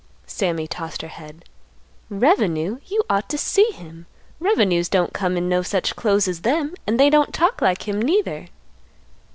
Sammy tossed her head; "Revenue! you ought to see him! Revenues don't come in no such clothes as them, and they don't talk like him, neither."